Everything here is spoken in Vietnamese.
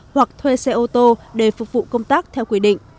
hoặc thuê xe ô tô để phục vụ công tác theo quy định